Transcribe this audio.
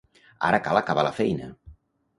Ara cal acabar la feina.